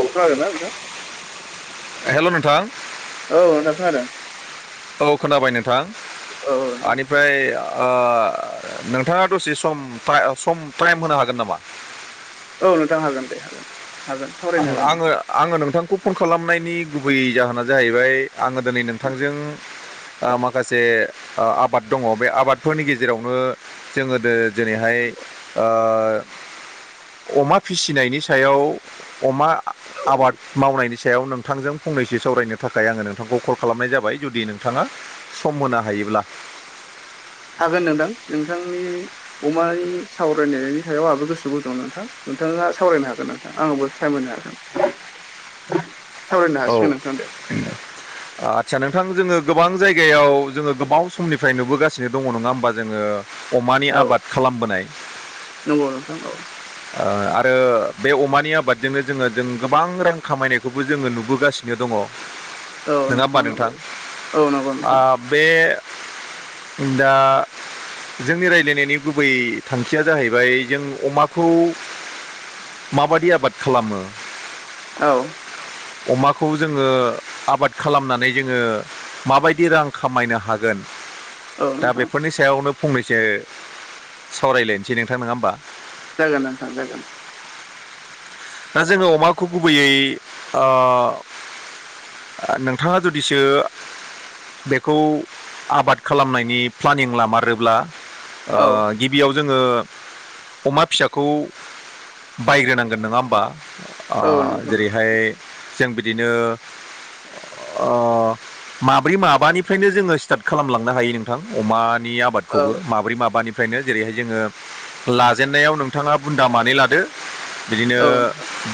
अखा हादों ना नोंथां? हेल' नोंथां। औ नोंथां खोनादों। औ खोनाबाय नोंथां औ बेनिफ्राय ओ नोंथाङा दसे सम सम टाइम होनो हागोन नामा? औ नोंथां हागोन दे हागोन। हागोन सावरायनो आं हागोन आङो नोंथां आङो नोंथांखौ फन खालामनायनि गुबै जाहोना जाहैबाय आङो दिनै नोंथांजों माखासे आबाद दङ बे आबादफोरनि गेजेरावनो जोङो जेरैहाय ओ अमा फिसिनायनि सायाव अमा आबाद मावनायनि सायाव नों नोंथांजों फंनैसो सावरायनो थाखाय आङो नोंथांखौ कल खालामनाय जाबाय जुदि नोंथाङा सम होनो हायोब्ला। हागोन नोंथां, नोंथांनि अमानि सावरायनायनि सायाव आहाबो गोसो गुद दं नोंथां। नोंथाङा सावरायनो हागोन नोंथां। आंनबो टाइम होनो हागोन। [unintelligible] सावरायनो हासिगोन नोंथां दे। उम आच्चा नोंथां जोङो गोबां जायगायाव जोङो गोबाव समनिफ्राय नुबोगासिनो दङ नङा होमबा जोङो अमानि औ आबाद खालामबोनाय नंगौ नोंथां, औ। ओ आरो बे अमानि आबादजोंनो जोङो जों गोबां रां खामायनायखौबो जोङो नुबोगासिनो दङ। औ नङा होमबा नंगौ नोंथां? औ नंगौ ओ नोंथां बे दा जोंनि रायज्लायनायनि गुबै थांखिया जाहैबाय जों अमा खौ माबादि आबाद खालामो? औ। अमाखौ जोङो आबाद खालामनानै जोङो माबायदि रां खामायनो हागोन? औ दा नोंथां बेफोरनि सायावनो फंनैसो सावरायलायनोसै नोंथां नङा होमबा। जागोन नोंथां जागोन। दा जोङो अमाखौ गुबैयै आ आ नोंथाङा जुदिसो बेखौ आबाद खालामनायनि प्लानिं लामारोब्ला ओ औ गिबियाव जोङो अमा फिसाखौ बायग्रोनांगोन नाङा होम बा औ आ नोंथां जेरै'हाय जों बिदिनो अ माब्रै माबानिफ्रायनो जोङो स्टार्ट खालामलांनो हायो नोंथां अमानिया आ औ आबादखौबो माब्रै माबानिफ्रायनो जेरै'हाय जोङो लाजेननायाव नोंथाङा बुन्दा मानै लादो बिदिनो औ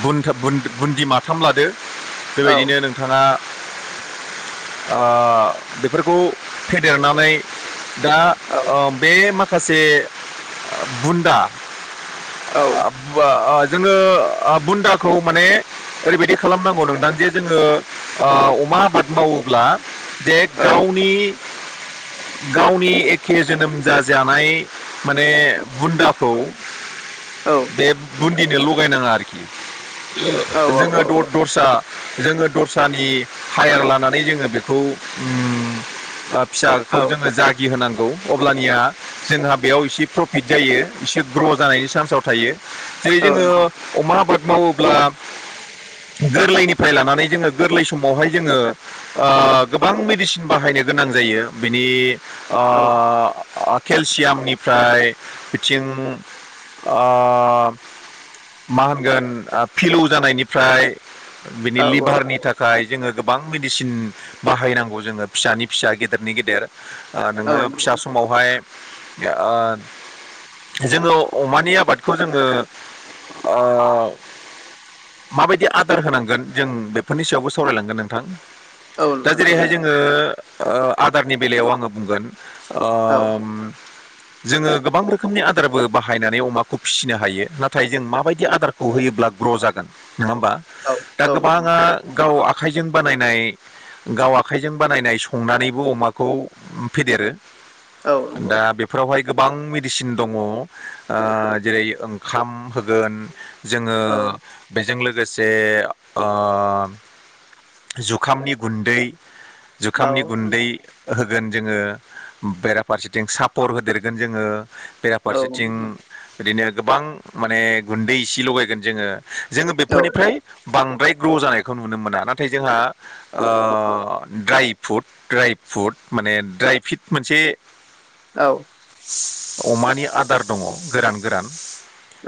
बुनथ- बुन- बुन्दि माथाम लादो औ बेबायदिनो नों थाङा आ बेफोरखौ फेदेरनानै दा ओ बे माखासे बुन्दा। औ। बा आ जोङो आ बुन्दाखौ माने ओरैबायदि खालामनांगौ नोंथां जे जोङो आ अमा आबाद मावोब्ला जे औ गावनि गावनि एखे जोनोम जाजानाय माने बुन्दाखौ औ। बे नोंथां बुन्दिनो लगायनाङा आरोखि औ [unintelligible] औ बेजोङो द- दस्रा जोङो दस्रानि हायार लानानै जोङो बेखौ उम ओम फिसाखौ औ औ जोङो जागि होनांगौ अब्लानिया जोंहा बेयाव एसे प्रफिट जायो एसे ग्र' जानायनि चान्सआव थायो जेरै औ जोङो नोंथां अमा आबाद मावोब्ला गोरलैनिफ्राय लानानै जोङो गोरलै समावहाय जोङो। ओ गोबां मेडिसिन बाहायनो गोनां जायो बिनि औ ओ केलसियामनिफ्राय बिथिं आ मा होनगोन आ फिलौ जानायनिफ्राय बिनि औ औ लिभारनि था खाय जोङो गोबां मेडिसिन बाहायनांगौ जोङो फिसानि फिसा गेदेरनि गेदेर। आ औ नोङो नंगौ फिसा समाव फाय ओ जोङो अमानि आबादखौ जोङो। आ माबायदि आदार होनांगोन जों बेफोरनि सायावबो सावरायलांगोन नोंथां। औ दा नोंथां जेरैहाय सावरायनो जोङो ओ आदारनि बेलायाव आङो बुंगोन हागोन ओम जोङो गोबां रोखोमनि आदारबो बाहायनानै अमाखौ फिसिनो हायो नाथाय जों माबाय दि आदारखौ होयोब्ला ग्र' जागोन नङा होमबा औ दा औ नंगौ गोबाङा गाव आखाइजों बानायनाय गाव आखाइजों बानायनाय संनानैबो अमाखौ फेदेरो। औ नंगौ दा बेफ फोरावहाय गोबां मेडिसिन दङ ओ जेरै ओंखाम होगोन जोङो औ बेजों लोगोसे ओ जुखामनि गुन्दै जुखामनि नंगौ गुन्दै होगोन जोङो बेराफारसेथिं सापर होदेरगोन जोङो बे औ फारसेथिं नंगौ बिदिनो गोबां माने गुन्दै इसे लगायगोन जोङो जोङो औ बेफोरनिफ्राय बांद्राय ग्र' जानायखौ नुनो मोना नाथाय जोंहा ओ ड्राइ फुट ड्राइ फुट माने ड्राइ फिट मोनसे औ। अमानि आदार दङ गोरान गोरान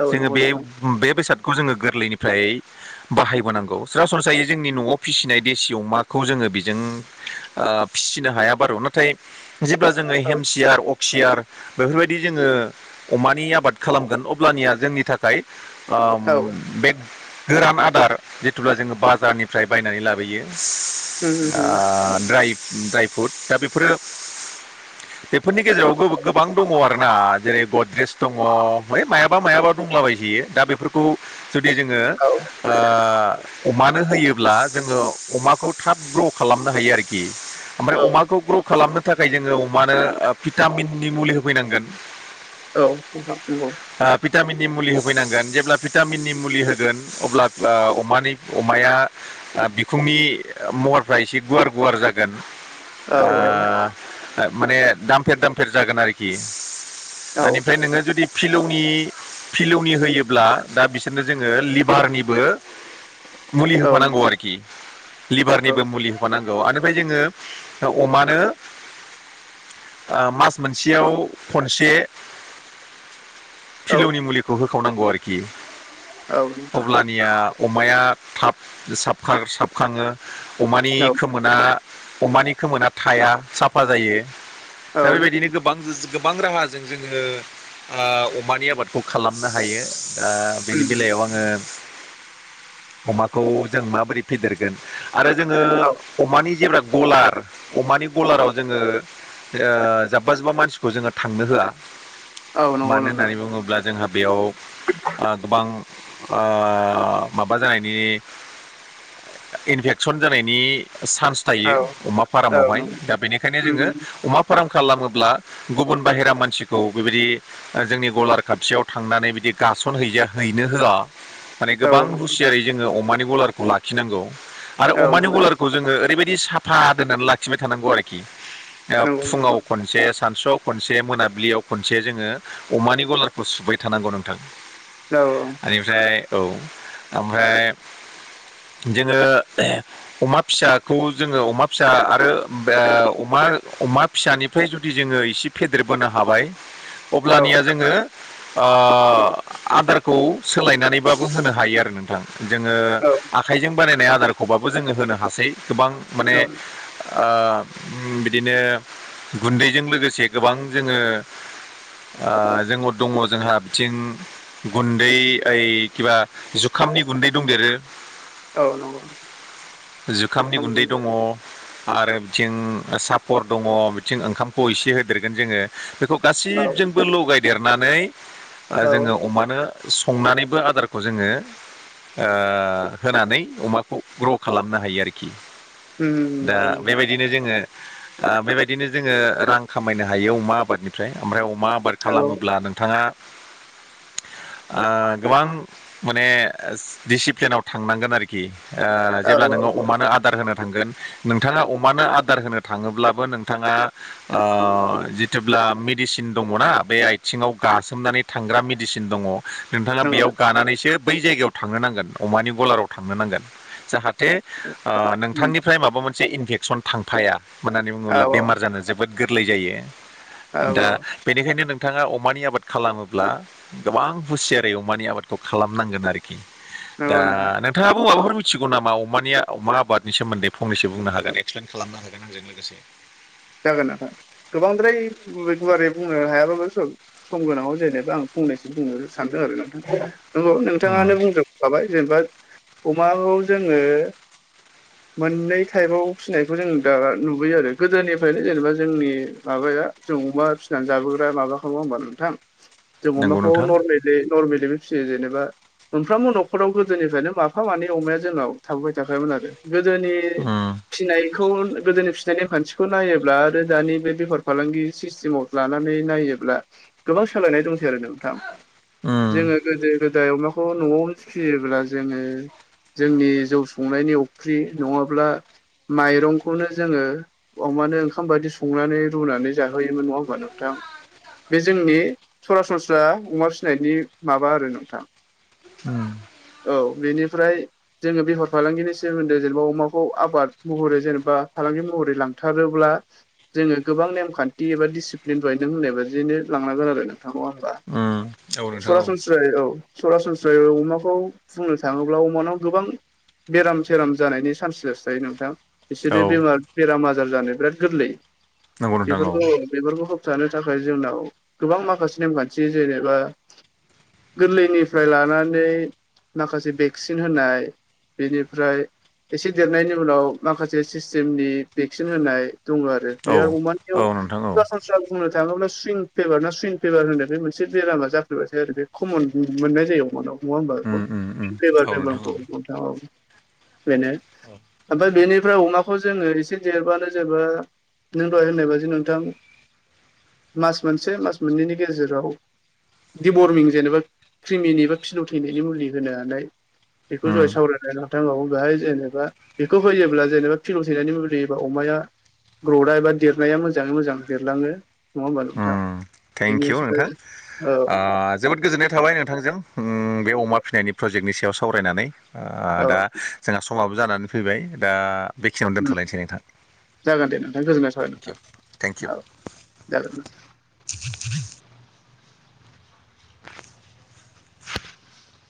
औ जोङो नंगौ बे नोंथां बे बेसादखौ जोङो गोरलैनिफ्राय बाहायबोनांगौ सरासनस्रायै जोंनि न'आव फिसिनाय देसि अमाखौ जोङो बिजों ओ फिसिनो हाया बार' नाथाय जेब्ला जोङो औ हेमसियार अक्सियार बेफोरबायदि जोङो अमानि आबाद खालामगोन अब्लानिया जोंनि थाखाय ओम औ बेग गोरान आदार जिथुब्ला जोङो बाजारनिफ्राय बायनानै लाबोयो। उम उम ओ उम ड्राय ड्राय फ्रुट दा बेफोरो बेफोरनि गेजेराव गो-गोबां दङ आरोना जेरै गद्रेज दङ होय मायाबा मायाबा दंलाबाय दि दा बेफोरखौ जुदि जोङो औ ओ अमानो होयोब्ला जोङो अमाखौ थाब ग्र' खालामनो हायो आरोखि। ओमफ्राय औ अमाखौ ग्र' खालामनो थाखाय जोङो अमानो ओ भिटामिननि मुलि होफैनांगोन। औ नोंथां नंगौ। ओ भिटामिननि मुलि फैनांगोन जेब्ला भिटामिननि मुलि होगोन अब्ला ओ अमानि अमाया आ बिखुंनि महरफ्रा एसे गुवार गुवार जागोन। औ नोंथां औ आ औ नोंथां ओ माने दामफेर दामफेर जागोन आरोखि। औ ओनिफ्राय नोङो जुदि फिलौनि [unintelligible] होयोब्ला दा बिसोरनो जोङो लिभारनिबो मुलि औ होफानांगौ आरो कि लिभारनिबो मुलि होबानांगौ आनिफाय जोङो ओ अमानो ओ मास मोनसेयाव खनसे फिलौनि मुलिखौ होखावनांगौ आरोखि। औ नोंथां। निया अमाया थाब साबखां साबखांङो अमानि खोमोना अमानि खोमोना थाया साफा जायो दा औ बेबायदिनो गोब बां जोस गोबां राहाजों जोङो आ अमानि आबादखौ खालामनो हायो ओ बेनि बेलायाव आङो अमाखौ जों माबोरै फेदेरगोन आरो जोङो अमानि जेब्ला गलार अमानि गलाराव जोङो ओ जाब्बा जुब्बा मानसिखौ जोङो थांनो होआ। नंगौ मानो नोंथां होननानै बुङोब्ला जोंहा बेयाव आ गोबां ओ माबा जानायनि इनभेक्सन जानायनि सान्स औ थायो अमा फारामावहाय नंगौ दा बेनिखायनो उम जोङो उम अमा फार्म खालामोब्ला गुबुन बाहेरा मानसिखौ बेबायदि ओ जोंनि गलार खाथियाव थांनानै बिदि गासन हैजाया हैनो होआ। माने औ गोबां नंगौ हुसियारै जोङो अमानि गलारखौ लाखिनांगौ आरो औ अमानि नंगौ गलारखौ जोङो ओरैबायदि साफा दोननानै लाखिबाय थानांगौ आरोखि ओ नंगौ नोंथां फुङाव खनसे सानसुआव खनसे मोनाब्लियाव खनसे जोङो अमानि गलार खौ सुबायथानांगौ नोंथां औ औ ओनिफ्राय औ आमफ्राय जोङो अमा फिसाखौ जोङो अमा फिसा आरो बे अमा अमा फिसानिफ्राय जुदि जोङो इसे फेदेरबोनो हाबाय औ अब्लानिया जोङो ओ आदारखौ सोलायनानैबाबो होनो हायो आरो नोंथां जोङो औ आ खाइजों बानायनाय आदारखौबाबो जोङो होनो हासै गोबां माने औ ओ बिदिनो गुन्दैजों लोगोसे गोबां जोङो आ जोङो दङ जोंहा बिथिं गुन्दै ओइ किबा जुखामनि गुन्दै दंदेरो औ नंगौ जुखामनि गुन्दै दङ आरो बिथिं सापर दङ बिथिं ओंखामखौ एसे होदेरगोन जोङो बेखौ गासिबजोंबो लगायदेरनानै ओ औ जोङो अमानो संनानैबो आदारखौ जोङो ओ होनानै अमाखौ ग्र' खालामनो हायो आरखि उम दा नंगौ बेबाय नोंथां दिनो जोङो आ बेबायदिनो जोङो रां खामायनो हायो अमा आबादनिफ्राय ओमफ्राय अमा आबा द औ खालामोब्ला नोंथाङा ओ गोबां माने दिसिप्लिनाव थांनांगोन आरो खि ओ औ जेब्ला नोङो औ औ अमानो आदार होनो थांगोन नोंथाङा अमानो आदार होनो थाङोब्लाबो नोंथाङा ओ जिथुब्ला मेडिसिन दङना बे आइ थिङाव गासोमनानै थांग्रा मेडिसिन दङ नोंथाङा नंगौ बेयाव गानानैसो बै जायगायाव थांनो नांगोन अमानि गलाराव थांनो नांगोन जाहाथे ओ उम, नोंथांनि फ्राय माबा मोनसे इनफेकसन थांफाया मानो होननानै औ बुङोब्ला बेमार जानो जोबोद गोरलै जायो औ दा औ बेनिखायनो नों थाङा अमानि आबाद खालामोब्ला गोबां हुसियारै अमानि आबादखौ खालामनांगोन आरो खि दा नंगौ नोंथां नोंथाङाबो माबाफोर मिथिगौ नामा अमानि अमा आबादनि सोमोन्दै फंनैसो बुंनो औ हागोन एक्सप्लेन खालामनो हागोन आंजों लोगोसे जागोन नाथा गोबांद्राय गुवारै बुंनो हायाबाबो स म गोनाङाव आं जेनेबा फंनैसो बुंनो सानदों आरो नोंथां नंगौ नोंथाङानो उम बुंजो खाबाय जेनेबा अमाखौ जोङो मोननै टाइपआव फिसिनायखौ जों दा नुबोयो आरो गोदोनि फ्रायनो जेनेबा जोंनि माबाया जों अमा फिनानै जाबोग्रा माबाखा नङा होमबा नोंथां जों नंगौ अमाखौ नोंथां नरमेलै नरमेलिबो फियो जेनेबा मोनफ्रोमबो नखराव गोदोनिफ्रायनो माफा मानै अमाया जोंनाव थाबोबाय थाखायोमोन आरो गोदोनि उम फिनायखौ गोदोनि फिनाय नेमखान्थि खौ नायोब्ला आरो दानि बे बेफार फालांगि सिस्टेमाव लानानै नायोब्ला गोबां सोलायनाय दंसै आरो नोंथां उम जोङो गोदो गो दाय अमाखौ न'आवनो फियोब्ला जोङो जोंनि जौ संनायनि अफ्रि नङाब्ला माइरंखौनो जोङो अमानो ओंखाम बायदि संनानै रुनानै जाहोयोमोन नङा होमबा नोंथां बे जोंनि सरासनस्रा अमा फिनायनि माबा आरो नोंथां [unintelligible] औ बेनिफ्राय जोङो बेफार फालांगिनि सोमोन्दै जेनेबा अमाखौ आबाद महरै जेनेबा फालांगि महरै लां थारोब्ला जोङो गोबां नेमखान्थि एबा डिसिप्लिन दहाय नों होननाय बादियैनो लांनांगोन आरो नङा होनबा औ नोंथां औ सरासनस्रा सस्राय औ सरासनस्रायै अमाखौ बुंनो थांङोब्ला अमानाव गोबां। बेराम सेराम जानायनि चान्स जासायो नोंथां बिसोरो औ बेमार बेराम आजार जानो बिराद गोरलै नंगौ नोंथां औ बेफोरखौ बेफोरखौ होबथानो थाखाय जोंनाव गोबां माखासे नेमखान्थि जेनेबा गोरलैनिफ्राय लानानै माखासे भेक्सिन होनाय बेनिफ्राय एसे देरनायनि उनाव माखासे सिस्टेमनि भेक्सिन होनाय दङ आरो बे औ अमानियाव औ नोंथां औ स बुंनो थाङोब्ला सुइं फेभार ना सुइन फेभार होननाय बे मोनसे बेरामा जाफ्रोबाथायायो आरो बे खमन मोननाय जायो अमाना नङा होमबा उम उम उम बेबार औ नोंथां बेमारखौ औ बेनो ओमफ्राय बेनिफ्राय अमाखौ जोंङो एसे देरबानो जेनेबा नों दाय होननाय बाददि नोंथां मास मोनसे मास मोननैनि गेजेराव दिवरजेनेबा क्रिमिनि ए बा फिनाव थैनायनि मुलि होनोालाय बेखौ जहाय उम सावरायलाय नथांवो बेहाय जेनेबा बेखौ होयोब्ला जेनेबा फिन' थैनायनि म ए अमाया ग्र'दा एा देरनाया मोजाङै मोजां देरलाङो नङा होमबा नोंथां उम थेंक इउ बेनिफ्राय नोंथां ओ जोबोद गोजोननाय थाबाय नोंथांजों बे अमा फिनायनि प्रजेक्टनि सायाव सावरायनानै औ दा जोंहा समाबो जानानै फैबाय दा बेखिनियावनो दोनथ'लायनोसै नोंथां जागोन दे नोंथां गोजोननाय थाबाय थेंकिउ थेंकिउ नोंथां औ जागोन नोंथां [unintelligible]